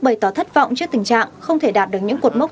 bày tỏ thất vọng trước tình trạng không thể đạt được những cột mốc